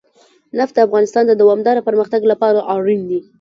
نفت د افغانستان د دوامداره پرمختګ لپاره اړین دي.